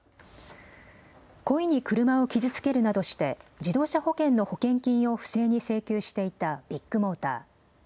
故意に車を傷つけるなどして自動車保険の保険金を不正に請求していたビッグモーター。